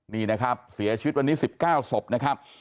นี่นะครับเสียชีวิตวันนี้๑๙ศพนะครับ